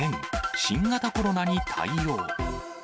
新型コロナに対応。